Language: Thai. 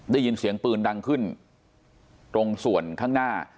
ได้ยินเสียงปืนดังขึ้นตรงส่วนข้างหน้า